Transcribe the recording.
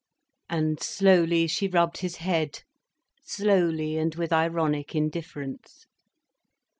_" And slowly she rubbed his head, slowly and with ironic indifference.